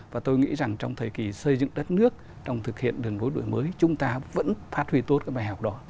và tôi nghĩ rằng trong thời kỳ xây dựng đất nước trong thực hiện đường lối đổi mới chúng ta vẫn phát huy tốt cái bài học đó